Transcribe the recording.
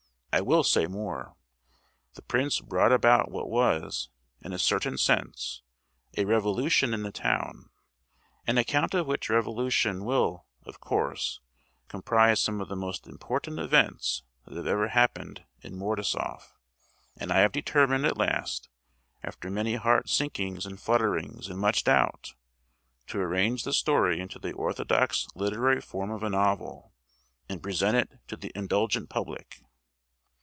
I will say more—the prince brought about what was, in a certain sense, a revolution in the town, an account of which revolution will, of course, comprise some of the most important events that have ever happened in Mordasoff; and I have determined at last, after many heart sinkings and flutterings, and much doubt, to arrange the story into the orthodox literary form of a novel, and present it to the indulgent Public!